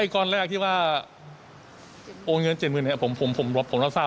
ก้อนแรกที่ว่าโอนเงิน๗๐๐๐๐บาทผมรับทราบว่าผมเป็นคนไปธนาคารมาเองครับ